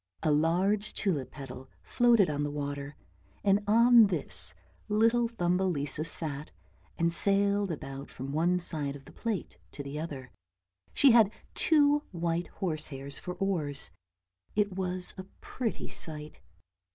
A large tulip petal floated on the water, and on this little Thumbelisa sat and sailed about from one side of the plate to the other; she had two white horsehairs for oars. It was a pretty sight.